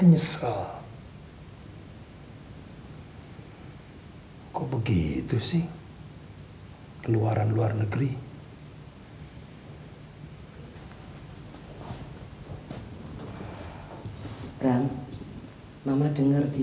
iya toh den